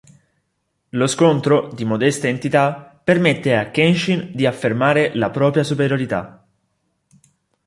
Lo scontro, di modesta entità, permette a Kenshin di affermare la propria superiorità.